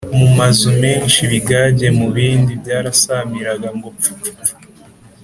mu mazu menshi ibigage mu bibindi byarasamiraga ngo pfupfu